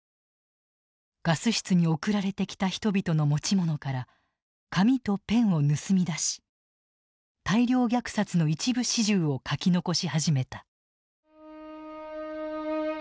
ガス室に送られてきた人々の持ち物から紙とペンを盗み出し大量虐殺の一部始終を書き残し始めた。